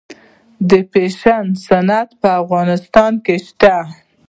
د فیشن صنعت په افغانستان کې شته؟